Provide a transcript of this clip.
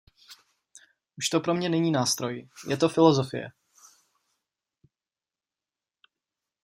Už to pro mě není nástroj, je to filosofie.